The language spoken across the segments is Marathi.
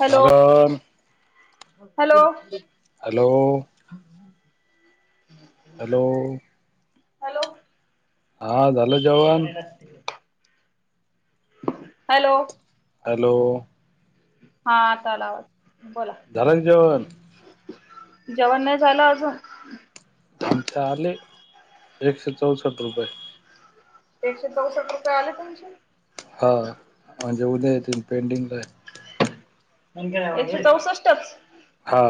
हॅलो झालं. Hello hello. Hello hello. हा झालं जवण? हॅलो! हॅलो! हा आताला वाट. धारक जन. जेवण नाही झालं अजून. एक से चौसठ रुपये. एकशे चौसष्ट रुपये आले तुमचे. हां म्हजे उदयत पेंडिंग ला. एकशे चौसष्टच. हा.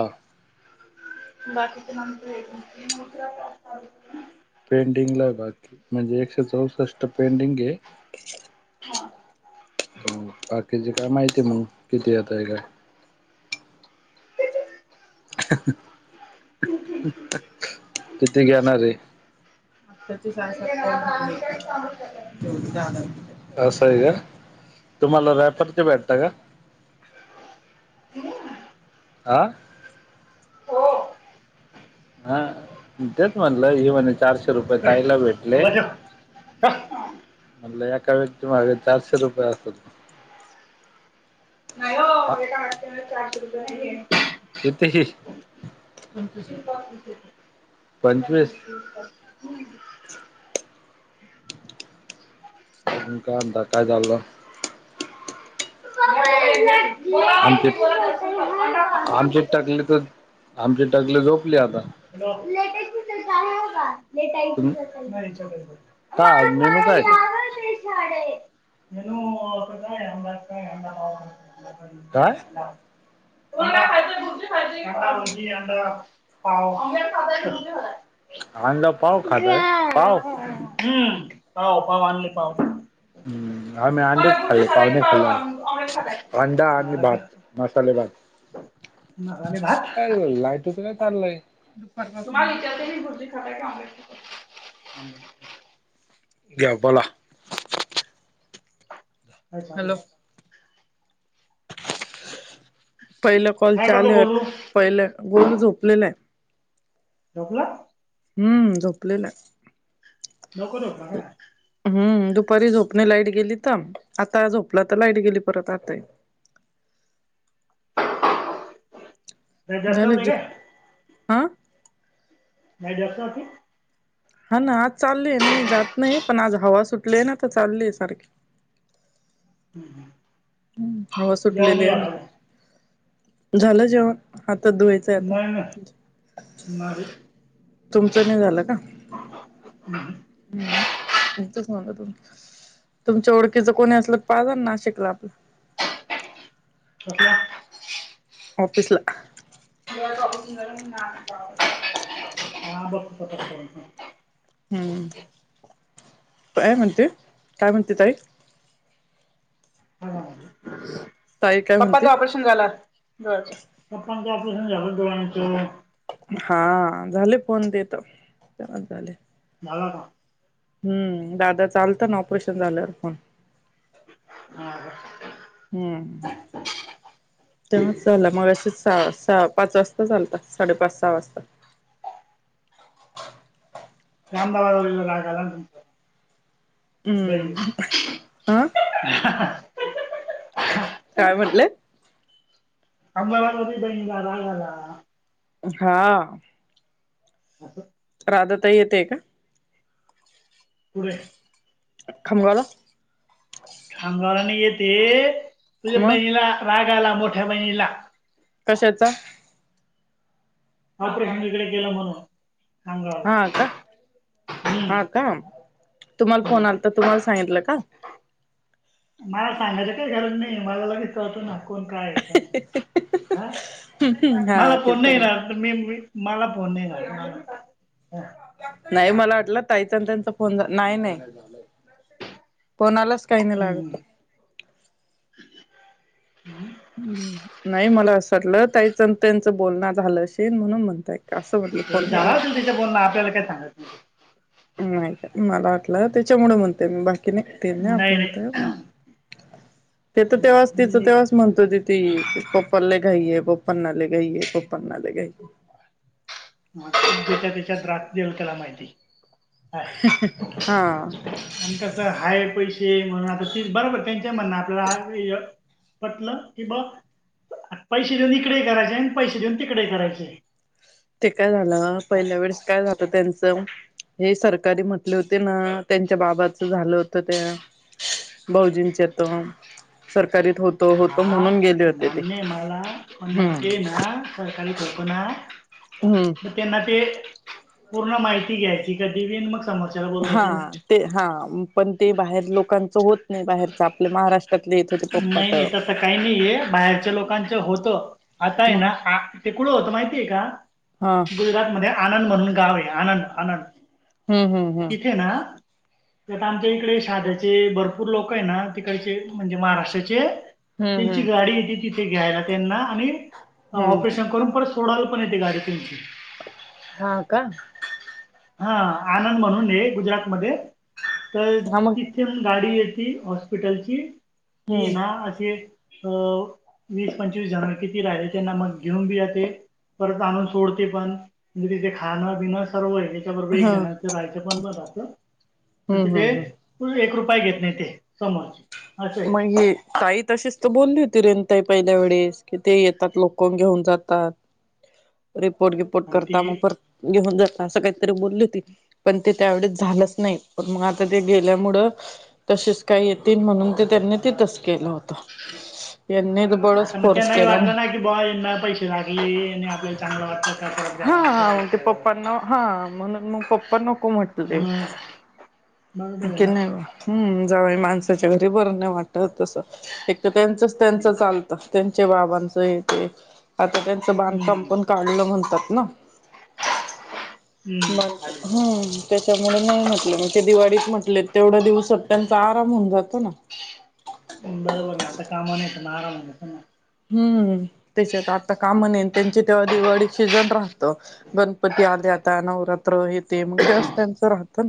बाकीच न. पेंडिंगला आहे बाकी म्हणजे एकशे चौसष्ट. पेडिंग आहे हा त बाकी ज [inaudible] का माहितीय मग किती यताय काय? तिती घेणारे, आत्ताचेचय आता सातॉलरले आम्ही काहीच सांगू शकत तेवढ जा [inaudible] असं आहे का तुम्हाला रॅफरचे भेटत का? हम्. आ हो. हा तेच म्हणलं ह म्ह चारशे रुपये ताई ला भेटले. नाही हो ारशपर असत [inaudible] हो चारश रुपया नाही. कथही [inaudible] पंचवीस [inaudible] अघून काय अता काय चाललं [inaudible] ह [inaudible] आमचे आमची टकले तर आमची टकली झोपली आता टेस्ट तुम हो काय आज [inaudible] मेनू काय ेटाय [inaudible] म काय [inaudible] अ [inaudible] पाव [inaudible] आांंद पाव खााताय पाव [inaudible] ग हम्म पाव पाव आणले पाव हम्म. ह म अंच अरे खाल्ले भुर्जी खाताय की पावने खाल् पाव ऑमलेट खाताय अंडा भात, [inaudible] मसाले भात मानी भात [inaudible] कसं काय चाललंय? दुपारपासून तुम्हाला इत ही भुर्जी खाता कि घ्यावपाला [inaudible] अ झाचाले [inaudible] पहिलं कॉल काय करतो चालू ये बोलू पहिलं गोल झोपलेला आहे. झोपला? हम्म झोपलेलं लवकर झोपला का ग हम्म दुपारी झोपणे लाईट गेली तर आता झोपला तर लाईट गेली परत आता नाही जास्त झालं होते कि काय हा नाही जस्ती [unintelligible] हा ना आज चालली आहे नाही जात नाही पण आज हवा सुटली आहे ना तर चालली आहे सारखी हम्म हम्म हवा सुटलेली आहे ना मग झालं जेवन? आता धुवायचंय आता नाही नाही नाही तुमचं नाही झालं का? ह [inaudible] इच म्हण तुम तुमच्या ओळखीच कोणी असलं तर पाज ना नाशिकला आपलं [inaudible] [inaudible] अ [inaudible] ऑफीसला बघ [inaudible] हम्म काय म्हणते, काय म्हणते ताई ताई काय म्हणते पप्पाचा ऑपरेशन झाला. पप्पा च ऑपरेशन झाल, डोळ्यांच हा झाले फोन देत, तेव्हाच झाले. झाला का? हम्म, दादा चालत ना, ऑपरेशन झाल्यावर पण. हा. का? हम्म तेव्हाच झालं, मगाशी सहा सहा पाच वाजता. आत्ताच आलता, साडेपाच सहा वाजता. रामदाबाद राग तुम हम्म [unintelligible] हा बाई [unintelligible] अच्छा काय म्हटले [unintelligible] अबार [unintelligible] राग आला हा. असं. राधा ताई येते का? पुरे.. [unintelligible] खांब गावला नाही येते, तुझ्या मग बहिणीला राग आला. मोठ्या बहिणीला कशाचा? ऑपरेशन हीकडे केलं म्हणून. हा खामगावला का, हम्म हा का, तुम्हाला फोन हम्म आला तर, तुम्हाला सांगितलं का? मला सांगायच काही गरज नाही. मला लगेच कळत, ना कोण काय. हा हा मला ते कोण नाही पण आहे राहात, मी मी मला फोन नाही आला. नाही मला वाटलं? त्ताई च आणि त्यांच फोन, नाही नाही कोणालाच काय नाही हम्म. लागत. ह् नाही मला असं वाटलं, ताईचं त्यांचं बोलण झालं अशील म्हणून म्हणताय. का असं म्हटलं ते फोन झाला झालं तिचं बोलण, आपल्याला काय सांगत नाही. नाही का मला वाटलं, त्याच्यामुळे म्हणते मी बघ ना नाही नाही आपणतय मग ते तर तेव्हाच नाही तिचं मी तेव्हाच म्हणतो त [unintelligible] ती पप्पांना लय घाई, पप्पांना लय घाई, पप्पांना लय घाई च्या त्याच्या त्रास देल त्याला माहिती हा [unintelligible] का हाय पैसे म्हण आता ते बरोबर त्यां [unintelligible] म्हण आपल्याला हा पटलं की ब [unintelligible] पैसे देऊन इकडे करायचे आणि पैसे देऊन तिकडे करायचे. ते काय झालं, हाय. पहिल्या वेळेस काय झालं त्यांचं हे सरकारी म्हटले होते ना, त्यांच्या बाबाच झालं होत त्या भाऊजींच्या तर सरकारीत होत. हा मान्य आहे मला, पण मग हम्म ते ना सरकारी होता ना? हम्म मग त्यांना ते पूर्ण माहिती घ्यायची का दिवीन मग समो [unintelligible] हा ते, हा पण ते बाहेर, लोकांच होत नाही बाहेरच आपल्या महाराष्ट्र नाही नाही तसं काही नाहीय बाहेरच्या लोकांच होत. आता आहे मग ना तिकडं होत. माहितीय का, हा गुजरात मध्ये आनंद म्हणून गाव आहे आनंद, आनंद हम्म, हम्म, हम्म तर आता आमच्या इकडे, शाध्याचे भरपूर लोक आहे ना, तिकडचे म्हणजे महाराष्ट्राचे हम्म त्यांची हम्म गाडी तिथे घ्यायला, त्यांना आणि हम्म ऑपरेशन करून परत सोडायला पण येते. गाडी त्यांची हा का हा आनंद म्हणून ये, गुजरातमध्ये तर हा मग तिथे गाडी ती हॉस्पिटलची ती हम्म ना अशी अ वीस पंचवीस जण किती राहिले त्यांना मग घेऊन बी ज ते परत आणून सोडते पण म्हणजे तिथे खाणं पिणं सर्व आहे एक हा जणच हम्म राहायच पण रा हम्म तिथे हम्म पाय घेत नाही ते समोरचे असं आहे मग ताई तशीच त बोलली होती रेनताई पहिल्या वेळेस कि ते येतात लोक घेऊन जातात रिपोर्ट वििपोर्ट आणि करता ते म पर घेऊ काहीत बली हो पण त्यावे झालंच नाही प मग आ गेल्यामु का ये म्हण त्यांनी तिथच केलं होत आता मग त्यांनाही वाटलं ना कि ब यांना पैसे लागले आणि आपल्याला चांगला वाटत का परत हा जाऊन हाग ते करायचं पप्पांना हा म्हणून मग पप्पा नको म्हटले ह ी नाही बा हम् जावय माणसाच्या घरी बरं नाही वाटत तस एक तर त्यांचच त्यांच चालतं त्यांचे बाबांच हे ते आता त्यांचं हम्म बांधकामपण काढलं म्हणतात ना म हम्म खाली हम्म त्याच्यामुळे नाही म्हटलं म्हणज ते दिवाळीत म्हटले तेवढा दिवस सट्ट्यांचा आराम होऊन जातो ना बरोबर आहे आता कामाने येत नारा ना हम्म त्याच्या तर आता का म्हणेल त्यांचे तेव्हा दिवाडीशीजण राहत गणपती आले आता नवरात्र येते मग तेव्हाच त्यां राहत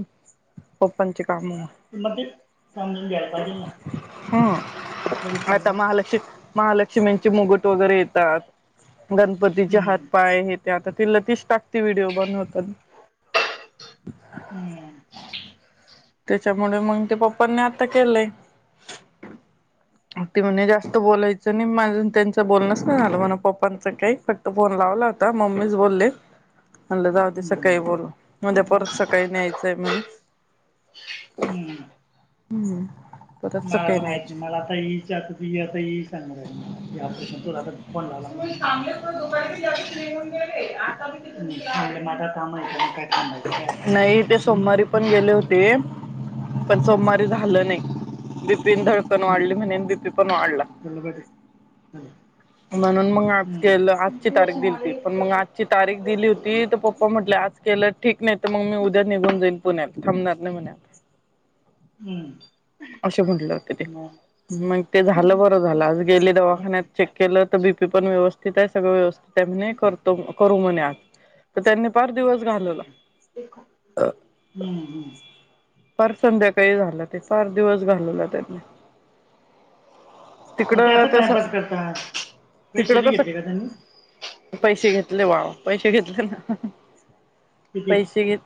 प पच मग ते समजून घ्यायला पाहिजे ना असा हम्म विषय आता ना महालक्ष् महालक्ष् मेचे मुगट वगैरे येतात गणपतीचे हम्म हात पाय हे ते आता ते लतीश टाक ते व्हिडिओ बनवतात हम्म त्याच्यामुळे मग ते पप्पांनी आता केलंय ह ती म्हणजे जास्त बोलायचं नाही माजून त्यांचं बोलणंच नाही झालं म्हणा पप्पांचां काही फक्त फोन लावला होता मम्मीच बोलले आलं जाऊ दे हम्म सकाळी बोलून म्हणजे परत सकाळी न्यायचंय म्हणे हम्म हम्म मला तर माहिित नाही मला आताच आता सांगणार मला कीशन तुला आ फोनला [inaudible] [unintelligible] नाही तेे सोमवारी पण गेले होते पण सोमवारी झालं नाही दिपती धड पण वाढली हम्म म्ह दपती पण वाढला बोललं पाहिजे म्हणून मग आज हम्म केलं आजची हम्म तारीख दिली हो त पण मग आजची तारीख दिली होती तर पप्पा म्हटले आज केलं ठीक नाही तर मग मी उद्या निघून जाईन पुण्यात थांबणार नाही म्ह हम्म असे म्हटले होते ते मग ते झालं बरं झालं आज गेली दवाखान्यात हम्म चेक केलं तर बीपी पण व्यवस्थित आहे सगळं व्यवस्थित त्यांने करतो करू म आ तर त्यांनी फार दिवस घालवला हम्म फार संध्याकाळी झालं ते फार दिवस घालवला त्यांनी मग ते तिकडं असं त्यास टाइमपास करतात पैसे तिकडं नाही कसं घेतले का त्यांनी पैसे घेतले बाळ पैसे घेतले ना किती पैसे घेत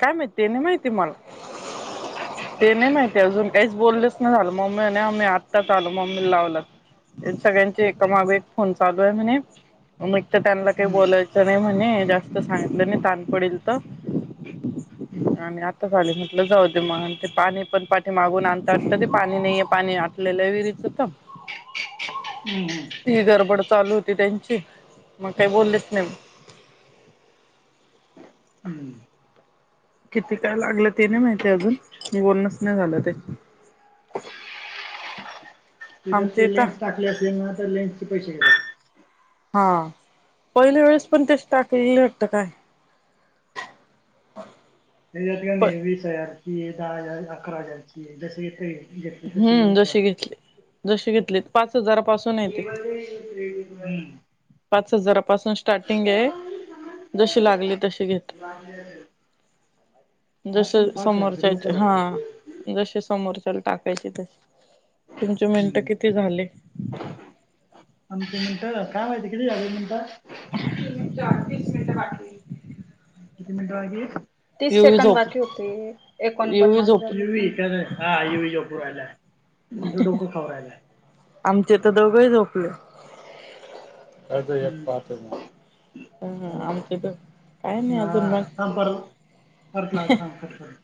काय माहिती त्या नाही माहिती आहे मला ते नाही माहिती ते अजून काहीच बोललेच नाही झालं मम्मी आणि आम्ही आत्ताात आलो मम्मी लावलं सगळ्यांचे एकामागे एक फोन चालू आहे म्हणे मग त त्यांना काय हम्म, बोलायचं नाय म्हणे जास्त सांगितलं नाय ताण पडल त हम्म, आणि आता झाले म्हटलं जाऊ दे म आणि ते पाणी पण पा ते मागून आणता आणता ते पाणी नाहीये पाणी आटलेलं विहिरीच त हम्म, ही गडबड चालू होती त्यांची मग काय बोललेच नाय [inaudible] किती काय लागलं ते नाय माहिती अजून बोलणच नाय झालं ते तिथ आमच्या ते इथ लेन्स टाकले असेल ना तर लेन्सचे पैसे घेतात. हा पहिल्या वेळेस पण तेच टाकलेले वाटत काय हे आणि प आणि वीस हजारची दहा हजार अकरा हजार ची जस येतय हम्म जशी घेतली जशी घेतलीत पाच हजारापासून आहे ती [unintelligible] पाच हजारापासून स्टार्टिंग ये जशी लागली तशी घेत हा जसे ते पाच हजार लोक समोरच्याचं हा लागतात जसे समोरच् तर टाकायची तशी तुमची मिनिटं हम्म. किती झाली? आमची मिनिटं काय माहिती किती झाली मिनिट तीन चार तीस मिनिट बाकी किती मिनिट बाकी तीस येवी सेकंड झोप बाकी होते येवी एकोणपन्नास झोप झाले [unintelligible] तुमचं डोकं खाऊ राहिलाय. आमचे तर दोघंही झोपले. [inaudible] कायत एक हम्म पाहतो म ह झालं आमच तर काय नाय ना अजून थांब परत ममग परत लाव थांब कट करून